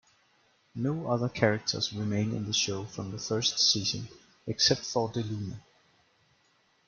No other characters remain in the show from the first season except for DeLuna.